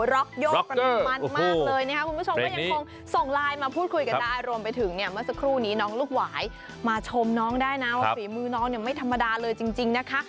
ร็อกโยกปริมาณมันมากเลยนะครับคุณผู้ชมก็ยังคงส่งไลน์มาพูดคุยกันได้รวมไปถึงเนี่ยเมื่อสักครู่นี้น้องลูกหวายมาชมน้องได้นะว่าฝีมือน้องเนี่ยไม่ธรรมดาเลยจริงนะคะ